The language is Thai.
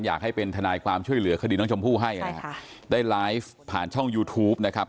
อยากให้เป็นทนายความช่วยเหลือคดีน้องชมพู่ให้นะครับได้ไลฟ์ผ่านช่องยูทูปนะครับ